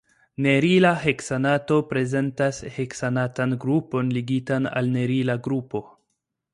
Nerila heksanato prezentas heksanatan grupon ligitan al nerila grupo.